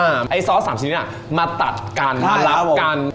ไอ้ซอส๓ชนิดอ่ะมาตัดกันมารับกัน